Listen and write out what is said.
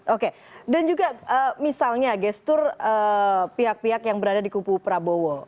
oke dan juga misalnya gestur pihak pihak yang berada di kupu prabowo